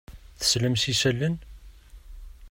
Teslam s yisallen?